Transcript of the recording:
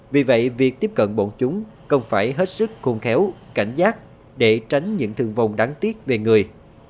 vì vậy việc tiếp cận bọn chúng cần phải hết sức khôn khéo cảnh giác để tránh những thương vong đáng tiếc về người